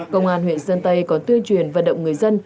công an huyện sơn tây có tuyên truyền vận động người dân